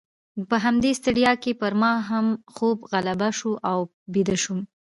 په همدې ستړیا کې پر ما هم خوب غالبه شو او بیده شوم.